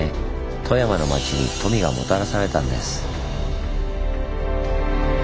富山の町に富がもたらされたんです。